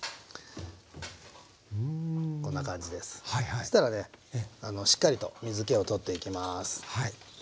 そしたらねしっかりと水けを取っていきます。